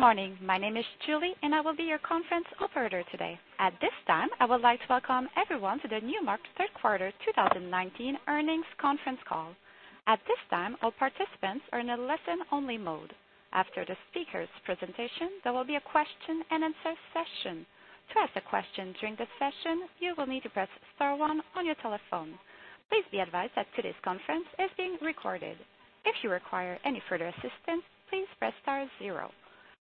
Good morning. My name is Julie, and I will be your conference operator today. At this time, I would like to welcome everyone to the Newmark third quarter 2019 earnings conference call. At this time, all participants are in a listen only mode. After the speaker's presentation, there will be a question and answer session. To ask a question during the session, you will need to press star one on your telephone. Please be advised that today's conference is being recorded. If you require any further assistance, please press star zero.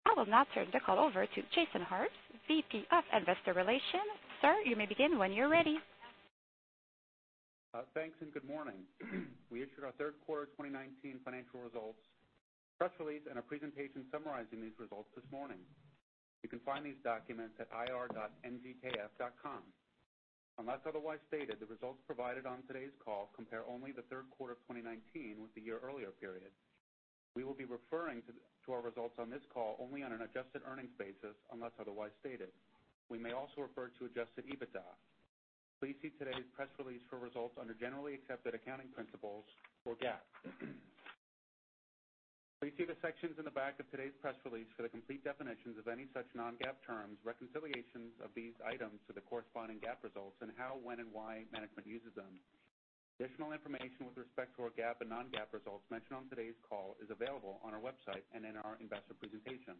I will now turn the call over to Jason Harbes, VP of Investor Relations. Sir, you may begin when you're ready. Thanks. Good morning. We issued our third quarter 2019 financial results press release and a presentation summarizing these results this morning. You can find these documents at ir.nmrk.com. Unless otherwise stated, the results provided on today's call compare only the third quarter of 2019 with the year earlier period. We will be referring to our results on this call only on an adjusted earnings basis unless otherwise stated. We may also refer to adjusted EBITDA. Please see today's press release for results under generally accepted accounting principles or GAAP. Please see the sections in the back of today's press release for the complete definitions of any such non-GAAP terms, reconciliations of these items to the corresponding GAAP results, and how, when and why management uses them. Additional information with respect to our GAAP and non-GAAP results mentioned on today's call is available on our website and in our investor presentation.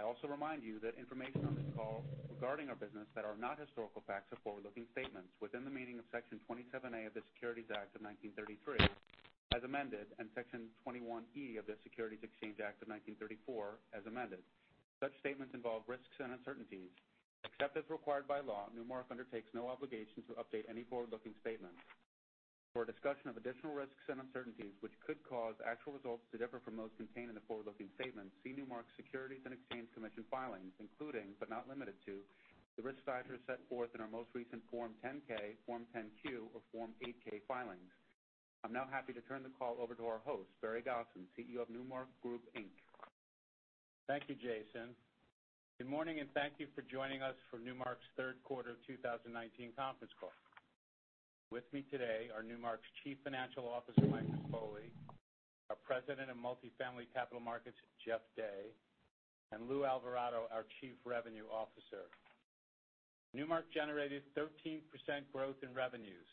I also remind you that information on this call regarding our business that are not historical facts are forward-looking statements within the meaning of Section 27A of the Securities Act of 1933, as amended, and Section 21E of the Securities Exchange Act of 1934, as amended. Such statements involve risks and uncertainties. Except as required by law, Newmark undertakes no obligation to update any forward-looking statements. For a discussion of additional risks and uncertainties which could cause actual results to differ from those contained in the forward-looking statements, see Newmark's Securities and Exchange Commission filings, including but not limited to, the risk factors set forth in our most recent Form 10-K, Form 10-Q or Form 8-K filings. I'm now happy to turn the call over to our host, Barry Gosin, CEO of Newmark Group, Inc. Thank you, Jason. Good morning, and thank you for joining us for Newmark's third quarter 2019 conference call. With me today are Newmark's Chief Financial Officer, Mike Rispoli, our President of Multifamily Capital Markets, Jeff Day, and Luis Alvarado, our Chief Revenue Officer. Newmark generated 13% growth in revenues,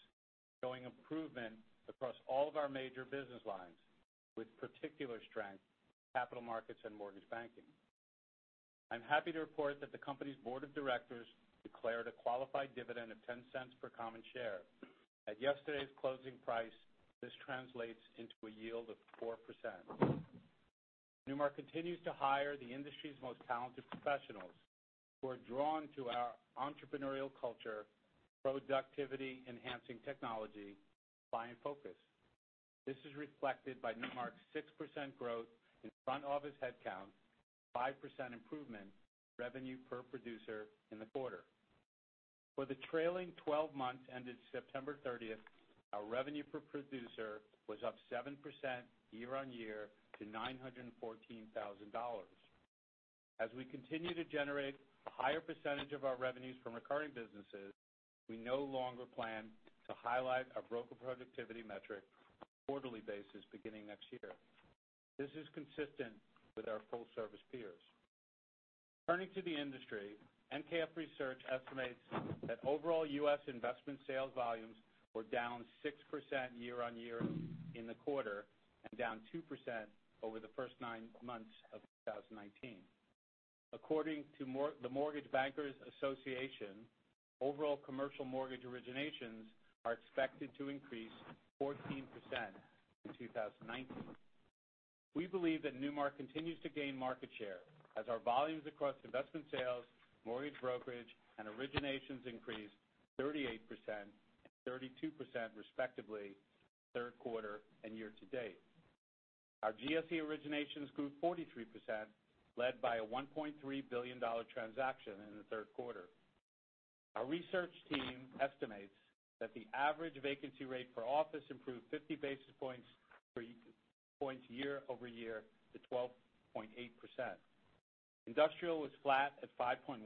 showing improvement across all of our major business lines, with particular strength, capital markets and mortgage banking. I'm happy to report that the company's board of directors declared a qualified dividend of $0.10 per common share. At yesterday's closing price, this translates into a yield of 4%. Newmark continues to hire the industry's most talented professionals who are drawn to our entrepreneurial culture, productivity enhancing technology, client focus. This is reflected by Newmark's 6% growth in front office headcount, 5% improvement revenue per producer in the quarter. For the trailing 12 months ended September 30th, our revenue per producer was up 7% year-on-year to $914,000. As we continue to generate a higher percentage of our revenues from recurring businesses, we no longer plan to highlight our broker productivity metric on a quarterly basis beginning next year. This is consistent with our full service peers. Turning to the industry, Newmark Research estimates that overall U.S. investment sales volumes were down 6% year-on-year in the quarter and down 2% over the first nine months of 2019. According to the Mortgage Bankers Association, overall commercial mortgage originations are expected to increase 14% in 2019. We believe that Newmark continues to gain market share as our volumes across investment sales, mortgage brokerage, and originations increased 38% and 32% respectively, third quarter and year to date. Our GSE originations grew 43%, led by a $1.3 billion transaction in the third quarter. Our research team estimates that the average vacancy rate per office improved 50 basis points year-over-year to 12.8%. Industrial was flat at 5.1%,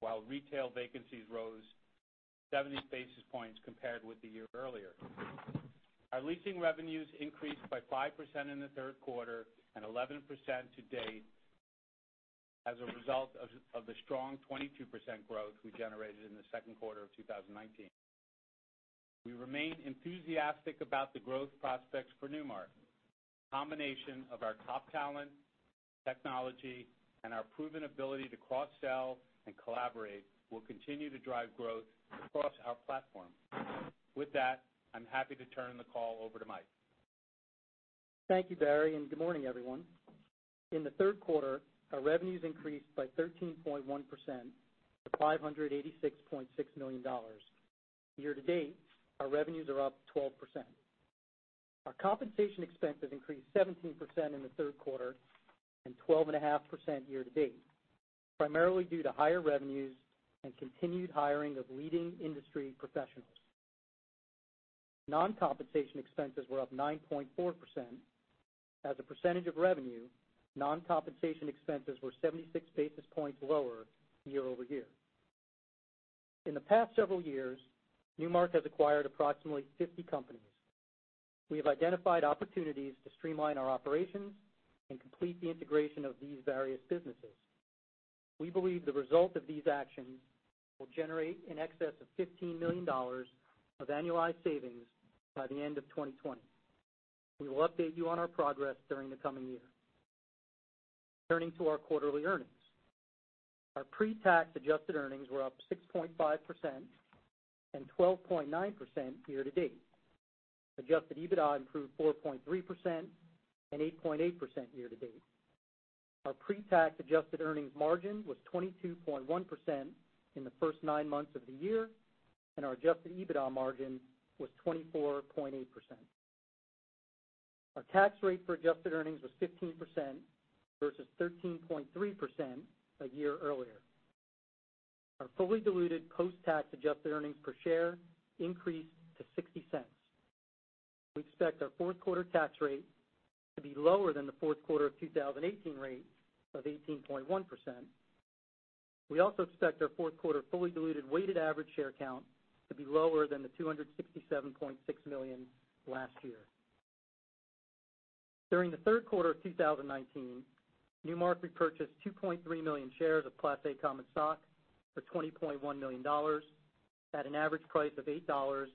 while retail vacancies rose 70 basis points compared with the year earlier. Our leasing revenues increased by 5% in the third quarter and 11% to date as a result of the strong 22% growth we generated in the second quarter of 2019. We remain enthusiastic about the growth prospects for Newmark. The combination of our top talent, technology, and our proven ability to cross-sell and collaborate will continue to drive growth across our platform. With that, I'm happy to turn the call over to Mike. Thank you, Barry. Good morning, everyone. In the third quarter, our revenues increased by 13.1% to $586.6 million. Year-to-date, our revenues are up 12%. Our compensation expenses increased 17% in the third quarter and 12.5% year-to-date, primarily due to higher revenues and continued hiring of leading industry professionals. Non-compensation expenses were up 9.4%. As a percentage of revenue, non-compensation expenses were 76 basis points lower year-over-year. In the past several years, Newmark has acquired approximately 50 companies. We have identified opportunities to streamline our operations and complete the integration of these various businesses. We believe the result of these actions will generate in excess of $15 million of annualized savings by the end of 2020. We will update you on our progress during the coming year. Turning to our quarterly earnings. Our pre-tax adjusted earnings were up 6.5% and 12.9% year-to-date. Adjusted EBITDA improved 4.3% and 8.8% year-to-date. Our pre-tax adjusted earnings margin was 22.1% in the first nine months of the year, and our adjusted EBITDA margin was 24.8%. Our tax rate for adjusted earnings was 15% versus 13.3% a year earlier. Our fully diluted post-tax adjusted earnings per share increased to $0.60. We expect our fourth quarter tax rate to be lower than the fourth quarter of 2018 rate of 18.1%. We also expect our fourth quarter fully diluted weighted average share count to be lower than the 267.6 million last year. During the third quarter of 2019, Newmark repurchased 2.3 million shares of Class A common stock for $20.1 million at an average price of $8.81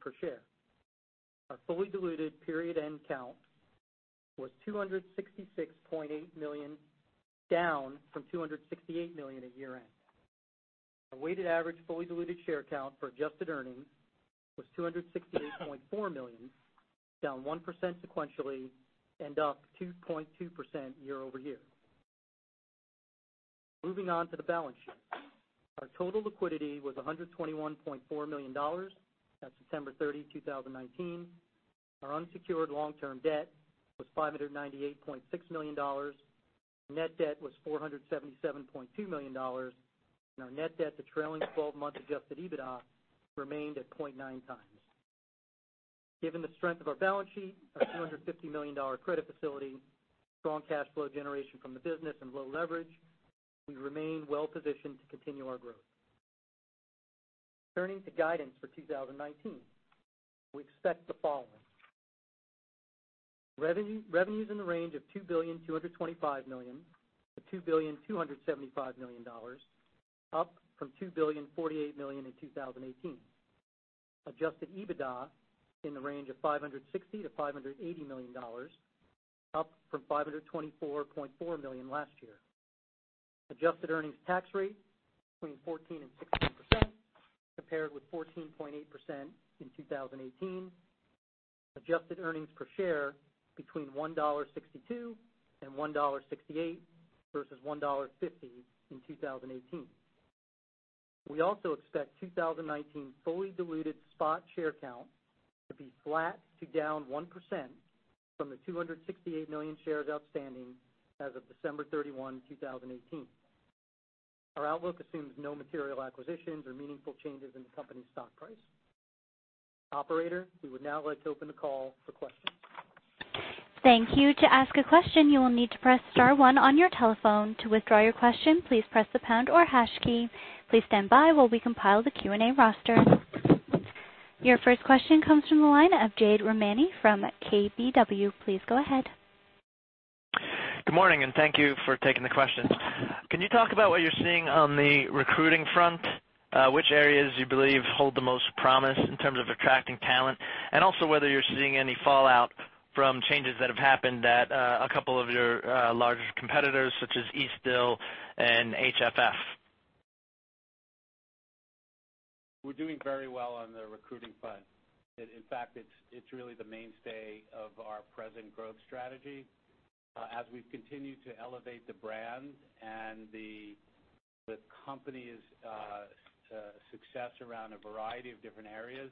per share. Our fully diluted period-end count was 266.8 million, down from 268 million at year-end. Our weighted average fully diluted share count for adjusted earnings was 268.4 million, down 1% sequentially and up 2.2% year-over-year. Moving on to the balance sheet. Our total liquidity was $121.4 million at September 30, 2019. Our unsecured long-term debt was $598.6 million. Net debt was $477.2 million. Our net debt to trailing 12-month adjusted EBITDA remained at 0.9 times. Given the strength of our balance sheet, our $250 million credit facility, strong cash flow generation from the business, and low leverage, we remain well-positioned to continue our growth. Turning to guidance for 2019. We expect the following. Revenues in the range of $2,225 million-$2,275 million, up from $2,048 million in 2018. Adjusted EBITDA in the range of $560 million-$580 million, up from $524.4 million last year. Adjusted earnings tax rate between 14% and 16%, compared with 14.8% in 2018. Adjusted earnings per share between $1.62 and $1.68 versus $1.50 in 2018. We also expect 2019 fully diluted spot share count to be flat to down 1% from the 268 million shares outstanding as of December 31, 2018. Our outlook assumes no material acquisitions or meaningful changes in the company's stock price. Operator, we would now like to open the call for questions. Thank you. To ask a question, you will need to press star one on your telephone. To withdraw your question, please press the pound or hash key. Please stand by while we compile the Q&A roster. Your first question comes from the line of Jade Rahmani from KBW. Please go ahead. Good morning, thank you for taking the questions. Can you talk about what you're seeing on the recruiting front? Which areas you believe hold the most promise in terms of attracting talent, also whether you're seeing any fallout from changes that have happened at a couple of your larger competitors such as Eastdil Secured and HFF? We're doing very well on the recruiting front. In fact, it's really the mainstay of our present growth strategy. As we've continued to elevate the brand and the company's success around a variety of different areas,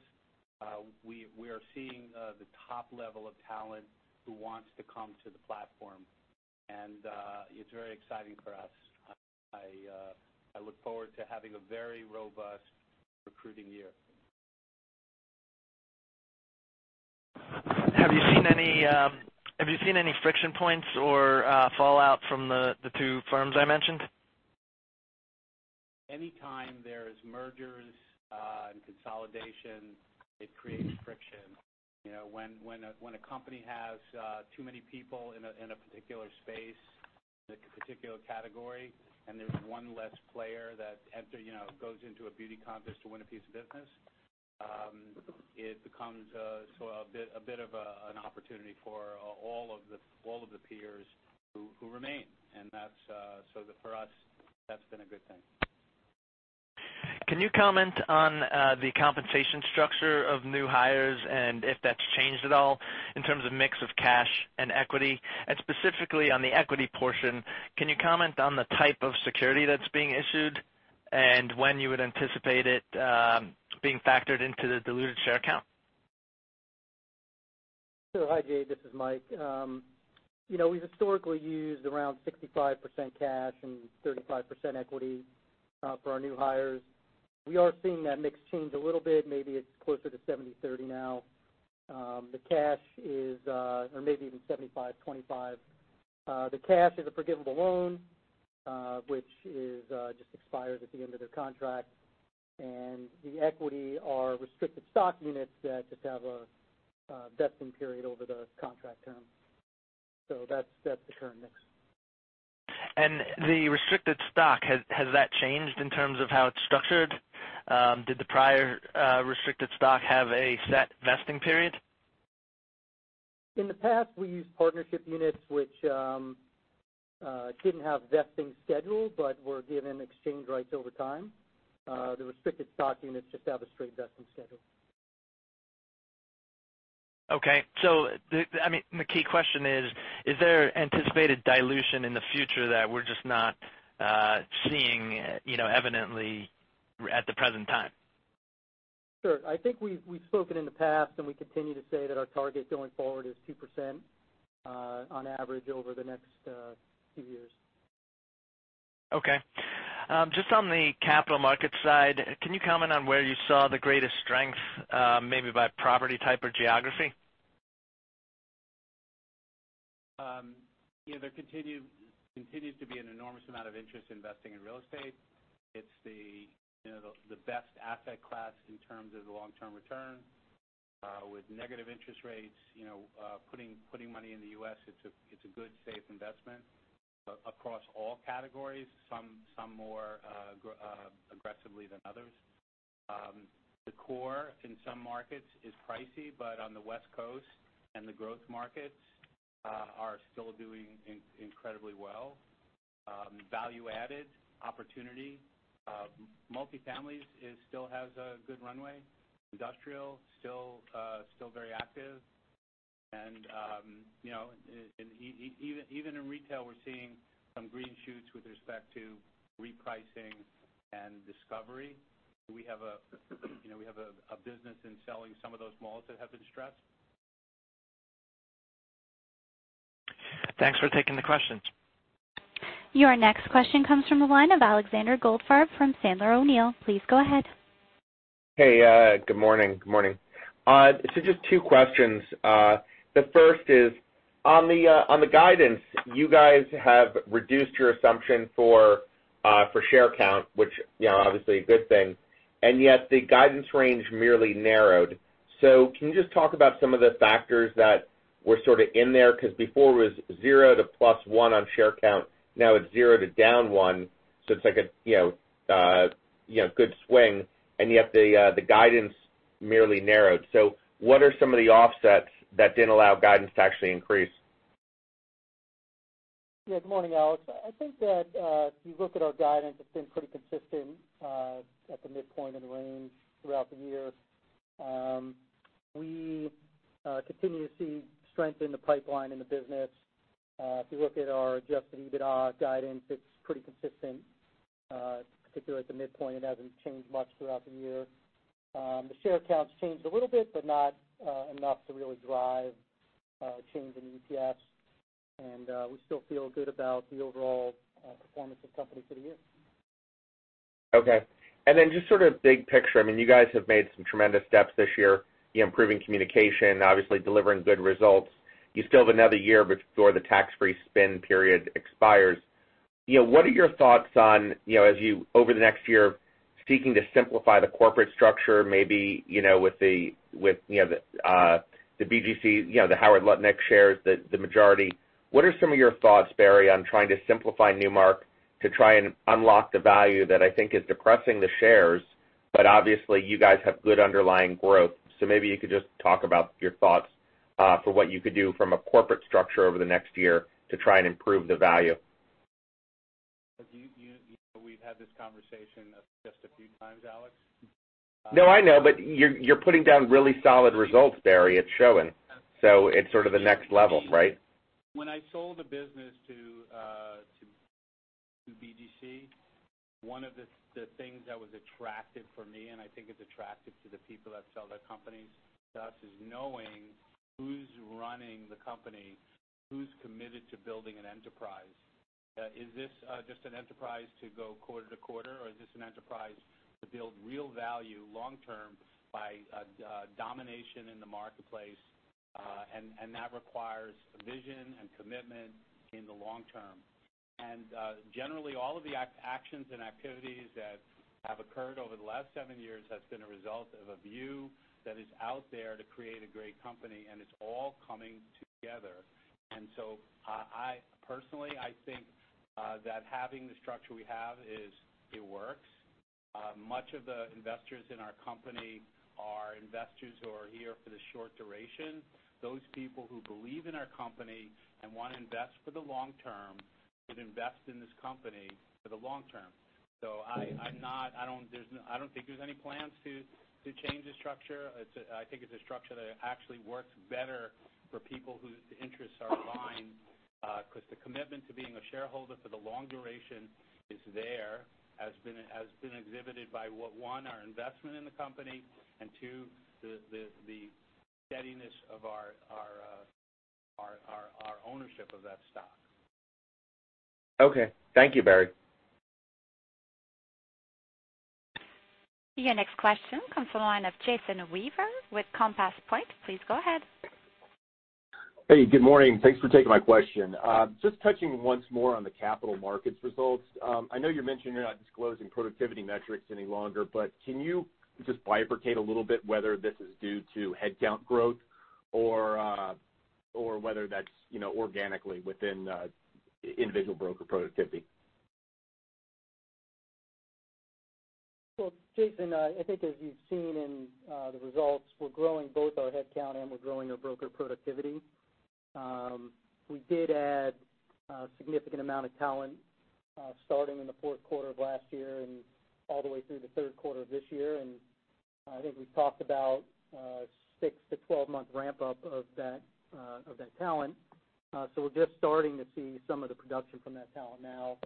we are seeing the top level of talent who wants to come to the platform. It's very exciting for us. I look forward to having a very robust recruiting year. Have you seen any friction points or fallout from the two firms I mentioned? Any time there is mergers and consolidation, it creates friction. When a company has too many people in a particular space, in a particular category, and there's one less player that goes into a beauty contest to win a piece of business, it becomes a bit of an opportunity for all of the peers who remain. For us, that's been a good thing. Can you comment on the compensation structure of new hires and if that's changed at all in terms of mix of cash and equity? Specifically on the equity portion, can you comment on the type of security that's being issued, and when you would anticipate it being factored into the diluted share count? Sure. Hi, Jade, this is Mike. We've historically used around 65% cash and 35% equity for our new hires. We are seeing that mix change a little bit. Maybe it's closer to 70/30 now. Maybe even 75/25. The cash is a forgivable loan, which just expires at the end of their contract. The equity are restricted stock units that just have a vesting period over the contract term. That's the current mix. The restricted stock, has that changed in terms of how it's structured? Did the prior restricted stock have a set vesting period? In the past, we used partnership units which didn't have vesting schedule but were given exchange rights over time. The restricted stock units just have a straight vesting schedule. Okay. The key question is there anticipated dilution in the future that we're just not seeing evidently at the present time? Sure. I think we've spoken in the past, and we continue to say that our target going forward is 2% on average over the next few years. Okay. Just on the capital market side, can you comment on where you saw the greatest strength, maybe by property type or geography? There continues to be an enormous amount of interest in investing in real estate. It's the best asset class in terms of the long-term return. With negative interest rates, putting money in the U.S., it's a good, safe investment across all categories, some more aggressively than others. The core in some markets is pricey. On the West Coast and the growth markets are still doing incredibly well. Value-added opportunity. Multifamily still has a good runway. Industrial, still very active. Even in retail, we're seeing some green shoots with respect to repricing and discovery. We have a business in selling some of those malls that have been stressed. Thanks for taking the questions. Your next question comes from the line of Alexander Goldfarb from Sandler O'Neill. Please go ahead. Hey, good morning. Just two questions. The first is, on the guidance, you guys have reduced your assumption for share count, which obviously a good thing, and yet the guidance range merely narrowed. Can you just talk about some of the factors that were sort of in there? Because before it was zero to plus one on share count. Now it's zero to down one, it's like a good swing, and yet the guidance merely narrowed. What are some of the offsets that didn't allow guidance to actually increase? Yeah. Good morning, Alex. I think that if you look at our guidance, it's been pretty consistent at the midpoint of the range throughout the year. We continue to see strength in the pipeline in the business. If you look at our adjusted EBITDA guidance, it's pretty consistent. Particularly at the midpoint, it hasn't changed much throughout the year. The share count's changed a little bit, but not enough to really drive change in the EPS. We still feel good about the overall performance of the company for the year. Okay. Just sort of big picture, you guys have made some tremendous steps this year. Improving communication, obviously delivering good results. You still have another year before the tax-free spin period expires. What are your thoughts on, as you, over the next year, seeking to simplify the corporate structure, maybe with the BGC, the Howard Lutnick shares the majority. What are some of your thoughts, Barry, on trying to simplify Newmark to try and unlock the value that I think is depressing the shares, but obviously you guys have good underlying growth. Maybe you could just talk about your thoughts for what you could do from a corporate structure over the next year to try and improve the value. We've had this conversation just a few times, Alex. No, I know, but you're putting down really solid results, Barry. It's showing. It's sort of the next level, right? When I sold the business to BGC, one of the things that was attractive for me, and I think it's attractive to the people that sell their companies to us, is knowing who's running the company, who's committed to building an enterprise. Is this just an enterprise to go quarter to quarter, or is this an enterprise to build real value long-term by domination in the marketplace? That requires vision and commitment in the long term. Generally, all of the actions and activities that have occurred over the last seven years has been a result of a view that is out there to create a great company, and it's all coming together. I personally, I think that having the structure we have, it works. Many of the investors in our company are investors who are here for the short duration. Those people who believe in our company and want to invest for the long term should invest in this company for the long term. I don't think there's any plans to change the structure. I think it's a structure that actually works better for people whose interests are aligned. Because the commitment to being a shareholder for the long duration is there, has been exhibited by one, our investment in the company, and two, the steadiness of our ownership of that stock. Okay. Thank you, Barry. Your next question comes from the line of Jason Weaver with Compass Point. Please go ahead. Hey, good morning. Thanks for taking my question. Just touching once more on the capital markets results. I know you're mentioning you're not disclosing productivity metrics any longer, can you just bifurcate a little bit whether this is due to headcount growth or whether that's organically within individual broker productivity? Well, Jason, I think as you've seen in the results, we're growing both our headcount and we're growing our broker productivity. We did add a significant amount of talent starting in the fourth quarter of last year and all the way through the third quarter of this year. I think we've talked about six to 12-month ramp-up of that talent. We're just starting to see some of the production from that talent now.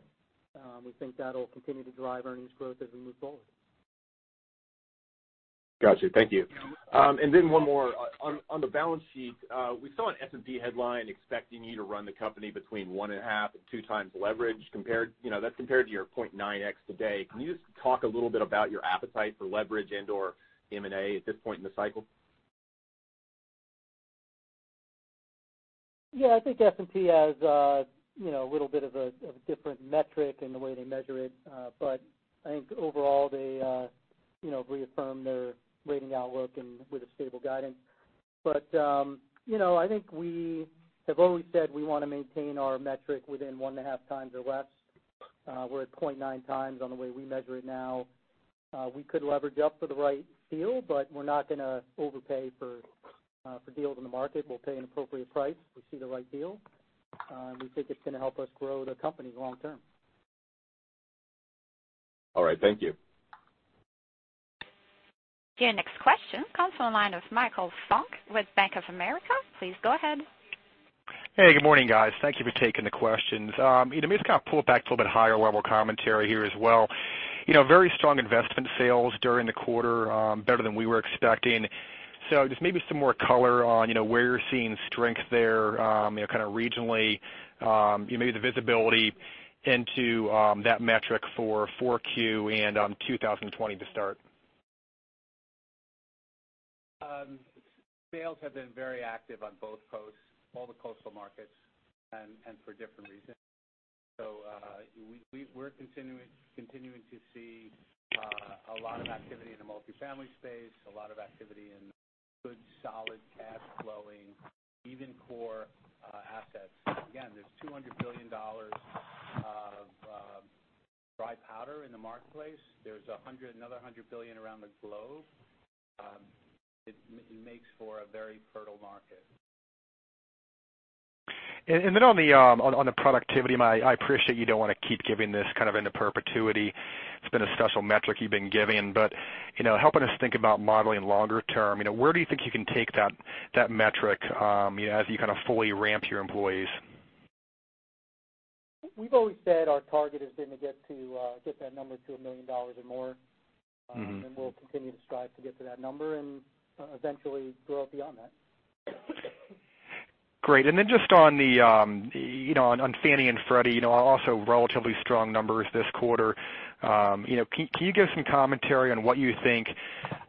We think that'll continue to drive earnings growth as we move forward. Got you. Thank you. One more. On the balance sheet, we saw an S&P headline expecting you to run the company between 1.5 and 2 times leverage. That's compared to your 0.9x today. Can you just talk a little bit about your appetite for leverage and/or M&A at this point in the cycle? Yeah, I think S&P has a little bit of a different metric in the way they measure it. I think overall they reaffirmed their rating outlook and with a stable guidance. I think we have always said we want to maintain our metric within one and a half times or less. We're at 0.9 times on the way we measure it now. We could leverage up for the right deal, but we're not going to overpay for deals in the market. We'll pay an appropriate price if we see the right deal, and we think it's going to help us grow the company long term. All right. Thank you. Your next question comes from the line of Michael Funk with Bank of America. Please go ahead. Hey, good morning, guys. Thank you for taking the questions. Maybe just kind of pull it back to a little bit higher-level commentary here as well. Very strong investment sales during the quarter, better than we were expecting. Just maybe some more color on where you're seeing strength there, kind of regionally, maybe the visibility into that metric for 4Q and 2020 to start. Sales have been very active on both coasts, all the coastal markets, and for different reasons. We're continuing to see a lot of activity in the Multifamily space, a lot of activity in good, solid, cash flowing, even core assets. Again, there's $200 billion of dry powder in the marketplace. There's another $100 billion around the globe. It makes for a very fertile market. On the productivity, I appreciate you don't want to keep giving this kind of into perpetuity. It's been a special metric you've been giving, but helping us think about modeling longer term, where do you think you can take that metric as you kind of fully ramp your employees? We've always said our target has been to get that number to $1 million or more. We'll continue to strive to get to that number and eventually grow beyond that. Great. Then just on Fannie and Freddie, also relatively strong numbers this quarter. Can you give some commentary on what you think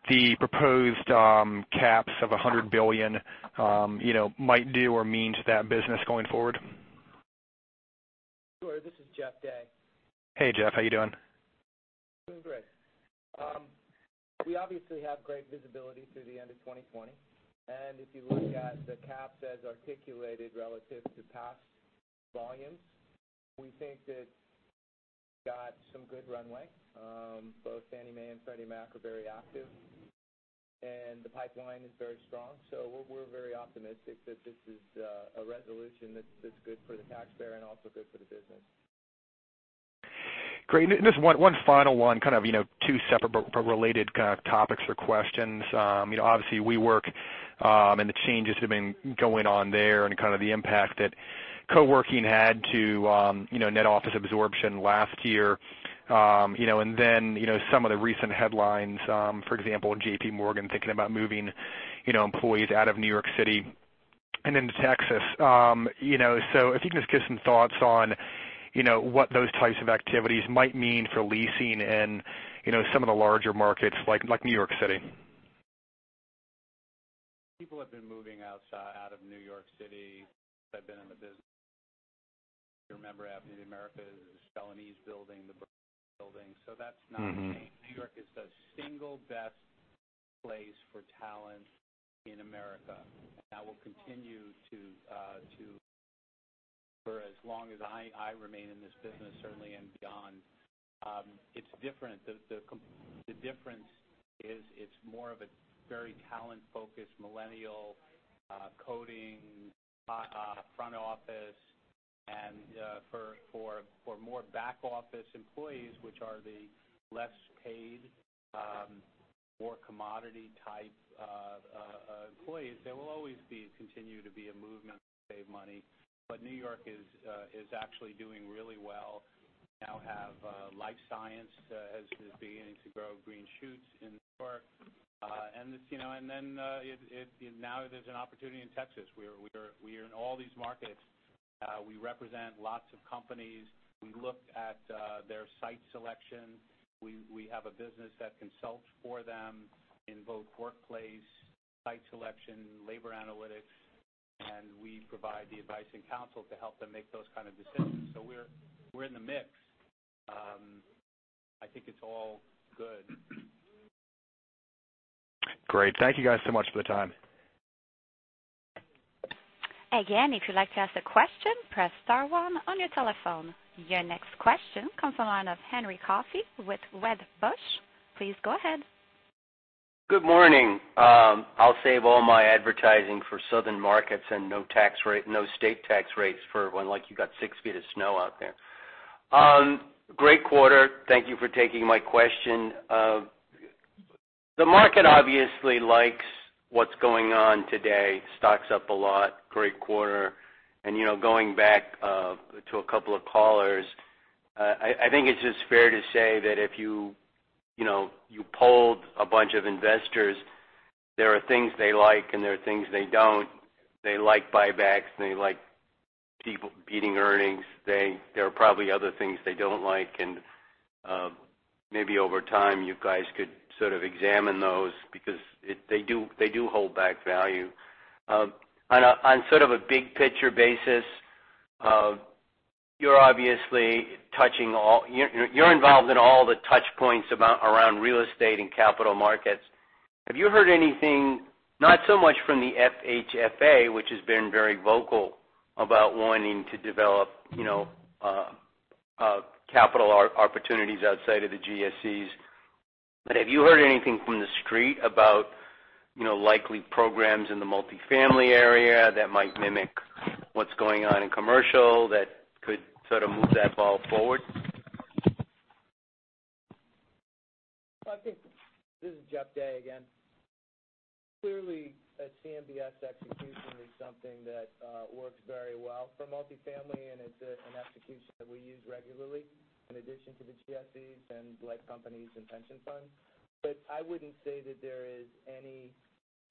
the proposed caps of $100 billion might do or mean to that business going forward? Sure. This is Jeff Day. Hey, Jeff. How you doing? Doing great. We obviously have great visibility through the end of 2020, and if you look at the caps as articulated relative to past volumes, we think that got some good runway. Both Fannie Mae and Freddie Mac are very active, and the pipeline is very strong. We're very optimistic that this is a resolution that's good for the taxpayer and also good for the business. Great. Just one final one, kind of two separate but related kind of topics or questions. Obviously WeWork and the changes have been going on there and kind of the impact that co-working had to net office absorption last year. Some of the recent headlines, for example, JP Morgan thinking about moving employees out of New York City and into Texas. If you can just give some thoughts on what those types of activities might mean for leasing in some of the larger markets like New York City. People have been moving out of New York City since I've been in the business. You remember Avenue of the Americas, the Stuyvesant Building, the Brooke Building. That's not new. New York is the single best place for talent in America, and that will continue for as long as I remain in this business, certainly, and beyond. The difference is it's more of a very talent-focused millennial coding front office. For more back office employees, which are the less paid, more commodity-type employees, there will always continue to be a movement to save money. New York is actually doing really well. Life science is beginning to grow green shoots in- Now there's an opportunity in Texas. We are in all these markets. We represent lots of companies. We look at their site selection. We have a business that consults for them in both workplace site selection, labor analytics, and we provide the advice and counsel to help them make those kind of decisions. We're in the mix. I think it's all good. Great. Thank you guys so much for the time. If you'd like to ask a question, press star one on your telephone. Your next question comes on line of Henry Coffey with Wedbush. Please go ahead. Good morning. I'll save all my advertising for southern markets and no state tax rates for when you got six feet of snow out there. Great quarter. Thank you for taking my question. The market obviously likes what's going on today. Stock's up a lot. Great quarter, and going back to a couple of callers, I think it's just fair to say that if you polled a bunch of investors, there are things they like, and there are things they don't. They like buybacks, and they like people beating earnings. There are probably other things they don't like, and maybe over time you guys could sort of examine those because they do hold back value. On sort of a big-picture basis, you're involved in all the touch points around real estate and capital markets. Have you heard anything, not so much from the FHFA, which has been very vocal about wanting to develop capital opportunities outside of the GSEs. Have you heard anything from the street about likely programs in the Multifamily area that might mimic what's going on in commercial that could sort of move that ball forward? This is Jeff Day again. Clearly, a CMBS execution is something that works very well for Multifamily Capital Markets, and it's an execution that we use regularly in addition to the GSEs and life companies and pension funds. I wouldn't say that there is any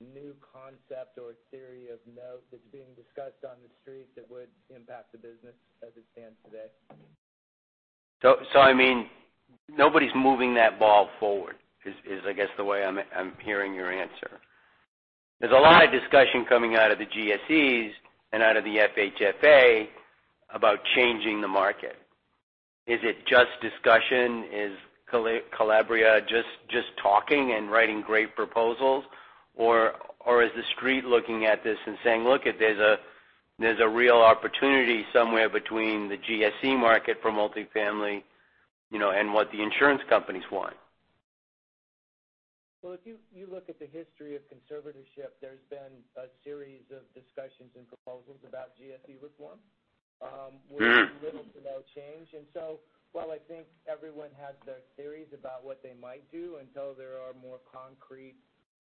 new concept or theory of note that's being discussed on the street that would impact the business as it stands today. I mean, nobody's moving that ball forward is I guess the way I'm hearing your answer. There's a lot of discussion coming out of the GSEs and out of the FHFA about changing the market. Is it just discussion? Is Calabria just talking and writing great proposals, or is the street looking at this and saying, "Look, there's a real opportunity somewhere between the GSE market for multifamily and what the insurance companies want. Well, if you look at the history of conservatorship, there's been a series of discussions and proposals about GSE reform. with little to no change. While I think everyone has their theories about what they might do until there are more concrete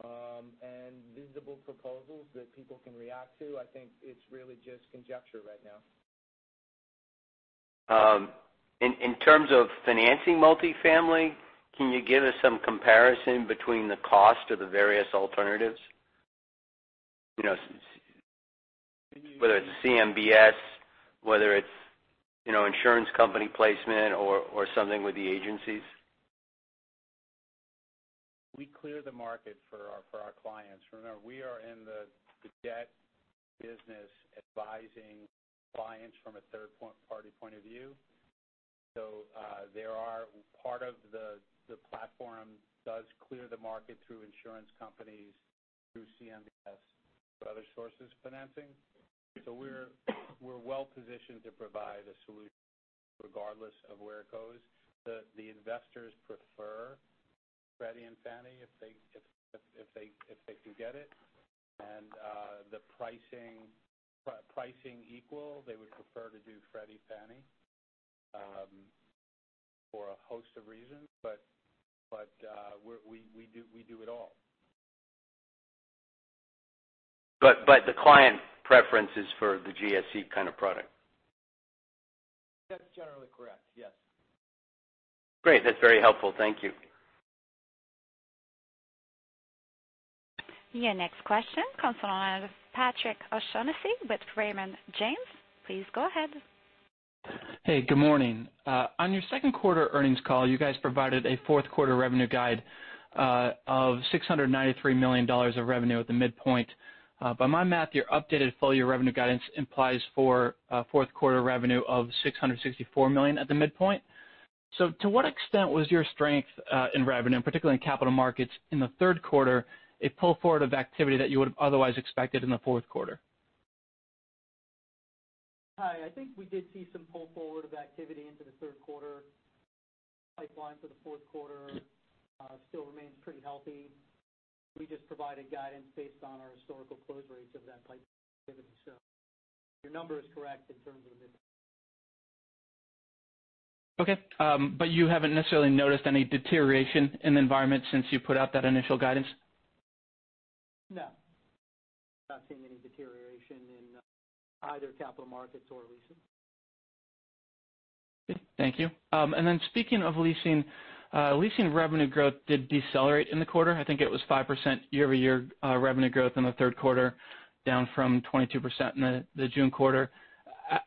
and visible proposals that people can react to, I think it's really just conjecture right now. In terms of financing multifamily, can you give us some comparison between the cost of the various alternatives? Whether it's CMBS, whether it's insurance company placement or something with the agencies. We clear the market for our clients. Remember, we are in the debt business advising clients from a third-party point of view. Part of the platform does clear the market through insurance companies, through CMBS or other sources of financing. We're well-positioned to provide a solution regardless of where it goes. The investors prefer Freddie and Fannie if they can get it and the pricing equal, they would prefer to do Freddie, Fannie for a host of reasons. We do it all. The client preference is for the GSE kind of product. That's generally correct. Yes. Great. That's very helpful. Thank you. Your next question comes from the line of Patrick O'Shaughnessy with Raymond James. Please go ahead. Hey, good morning. On your second quarter earnings call, you guys provided a fourth quarter revenue guide of $693 million of revenue at the midpoint. By my math, your updated full-year revenue guidance implies for fourth quarter revenue of $664 million at the midpoint. To what extent was your strength in revenue, particularly in capital markets in the third quarter, a pull forward of activity that you would've otherwise expected in the fourth quarter? Hi. I think we did see some pull forward of activity into the third quarter. Pipeline for the fourth quarter still remains pretty healthy. We just provided guidance based on our historical close rates of that pipe activity. Your number is correct in terms of midpoint. Okay. You haven't necessarily noticed any deterioration in the environment since you put out that initial guidance? No. Not seeing any deterioration in either capital markets or leasing. Good. Thank you. Speaking of leasing revenue growth did decelerate in the quarter. I think it was 5% year-over-year revenue growth in the third quarter, down from 22% in the June quarter.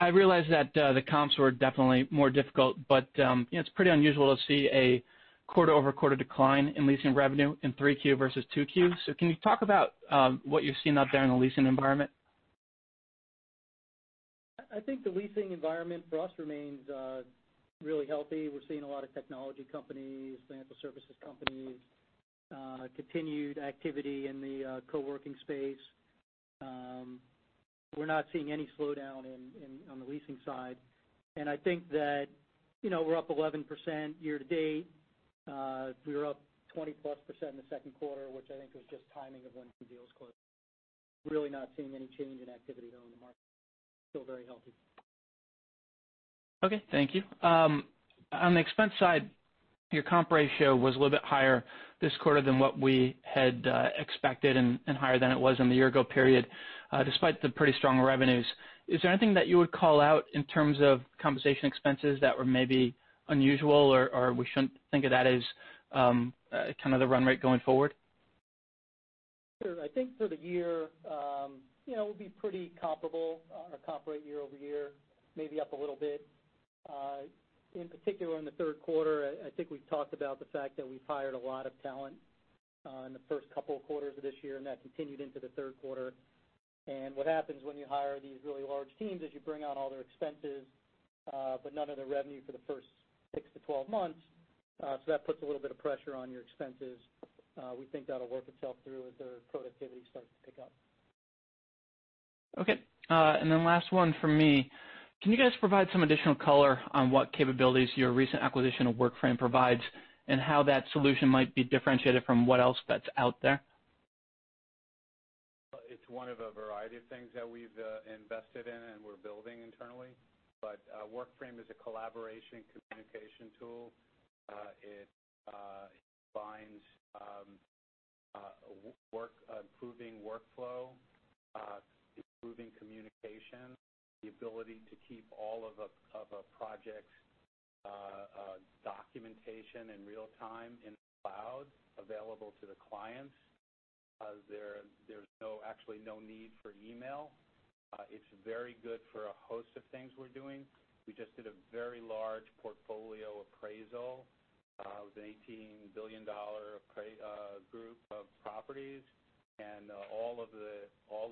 I realize that the comps were definitely more difficult, but it's pretty unusual to see a quarter-over-quarter decline in leasing revenue in 3Q versus 2Q. Can you talk about what you're seeing out there in the leasing environment? I think the leasing environment for us remains really healthy. We're seeing a lot of technology companies, financial services companies, continued activity in the co-working space. We're not seeing any slowdown on the leasing side. I think that we're up 11% year-to-date. We were up 20%+ in the second quarter, which I think was just timing of when some deals closed. Really not seeing any change in activity though in the market. Still very healthy. Okay, thank you. On the expense side, your comp ratio was a little bit higher this quarter than what we had expected and higher than it was in the year-ago period, despite the pretty strong revenues. Is there anything that you would call out in terms of compensation expenses that were maybe unusual or we shouldn't think of that as kind of the run rate going forward? Sure. I think for the year, it'll be pretty comparable, our comp rate year-over-year, maybe up a little bit. In particular, in the third quarter, I think we've talked about the fact that we've hired a lot of talent in the first couple of quarters of this year, that continued into the third quarter. What happens when you hire these really large teams is you bring out all their expenses, but none of the revenue for the first 6 to 12 months. That puts a little bit of pressure on your expenses. We think that'll work itself through as their productivity starts to pick up. Okay. Last one from me. Can you guys provide some additional color on what capabilities your recent acquisition of Workframe provides and how that solution might be differentiated from what else that's out there? It's one of a variety of things that we've invested in and we're building internally. Workframe is a collaboration communication tool. It combines improving workflow, improving communication, the ability to keep all of a project's documentation in real time in the cloud available to the clients. There's actually no need for email. It's very good for a host of things we're doing. We just did a very large portfolio appraisal of an $18 billion group of properties. All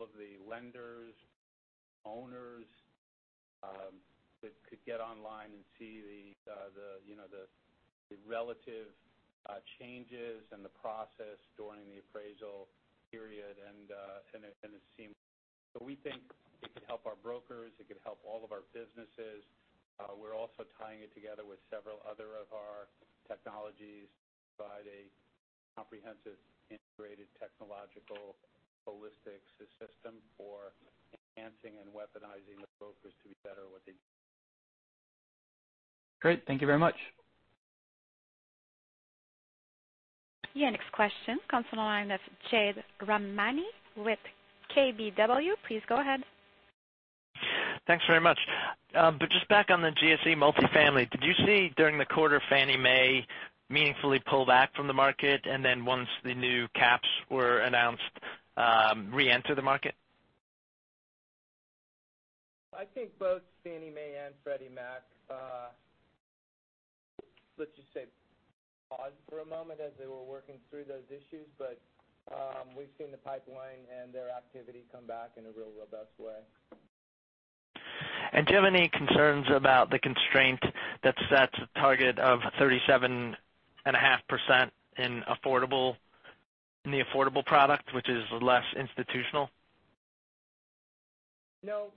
of the lenders, owners could get online and see the relative changes and the process during the appraisal period. We think it could help our brokers, it could help all of our businesses. We're also tying it together with several other of our technologies to provide a comprehensive, integrated, technological, holistic system for enhancing and weaponizing the brokers to be better at what they do. Great. Thank you very much. Your next question comes from the line of Jade Rahmani with KBW. Please go ahead. Thanks very much. Just back on the GSE multifamily, did you see during the quarter Fannie Mae meaningfully pull back from the market, and then once the new caps were announced, reenter the market? I think both Fannie Mae and Freddie Mac, let's just say, paused for a moment as they were working through those issues. We've seen the pipeline and their activity come back in a real robust way. Do you have any concerns about the constraint that sets a target of 37.5% in the affordable product, which is less institutional? No.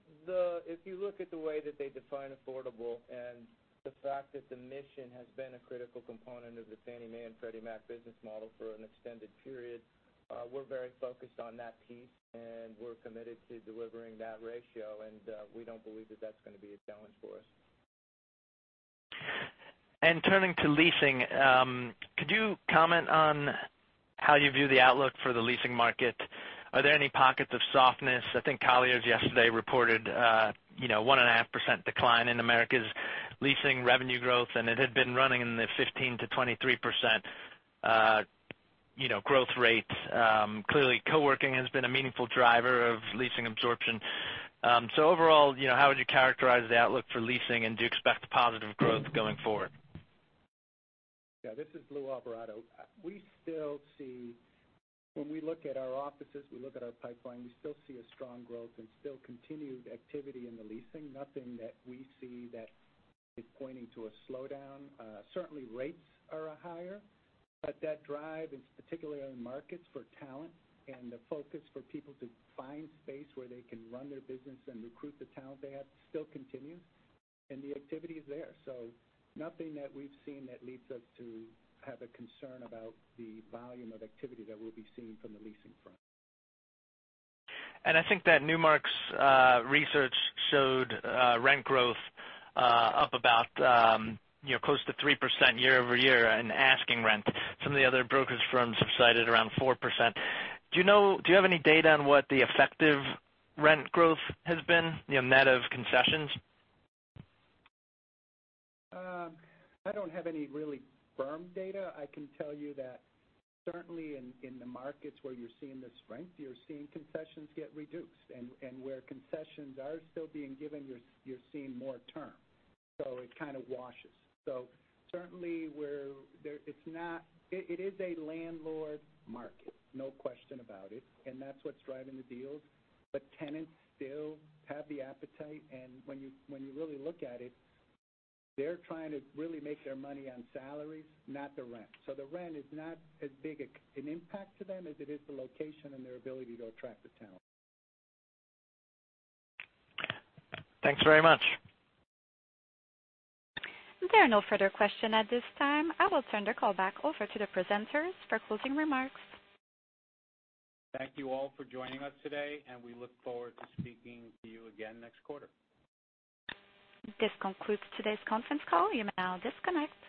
If you look at the way that they define affordable and the fact that the mission has been a critical component of the Fannie Mae and Freddie Mac business model for an extended period, we're very focused on that piece, and we're committed to delivering that ratio, and we don't believe that that's going to be a challenge for us. Turning to leasing, could you comment on how you view the outlook for the leasing market? Are there any pockets of softness? I think Colliers yesterday reported 1.5% decline in America's leasing revenue growth, and it had been running in the 15%-23% growth rates. Clearly, co-working has been a meaningful driver of leasing absorption. Overall, how would you characterize the outlook for leasing, and do you expect positive growth going forward? Yeah, this is Luis Alvarado. When we look at our offices, we look at our pipeline, we still see a strong growth and still continued activity in the leasing. Nothing that we see that is pointing to a slowdown. Certainly rates are higher, that drive, and particularly on markets for talent and the focus for people to find space where they can run their business and recruit the talent they have still continues, and the activity is there. Nothing that we've seen that leads us to have a concern about the volume of activity that we'll be seeing from the leasing front. I think that Newmark Research showed rent growth up about close to 3% year-over-year in asking rent. Some of the other brokerage firms have cited around 4%. Do you have any data on what the effective rent growth has been net of concessions? I don't have any really firm data. I can tell you that certainly in the markets where you're seeing the strength, you're seeing concessions get reduced, and where concessions are still being given, you're seeing more term. It kind of washes. Certainly it is a landlord market, no question about it, and that's what's driving the deals. Tenants still have the appetite, and when you really look at it, they're trying to really make their money on salaries, not the rent. The rent is not as big an impact to them as it is the location and their ability to attract the talent. Thanks very much. There are no further questions at this time. I will turn the call back over to the presenters for closing remarks. Thank you all for joining us today. We look forward to speaking to you again next quarter. This concludes today's conference call. You may now disconnect.